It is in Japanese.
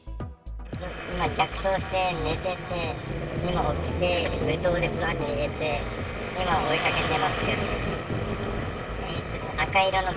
今、逆走して寝てて、今、起きて、無灯で逃げて、今追いかけてますけど。